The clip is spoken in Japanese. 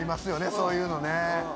そういうのね。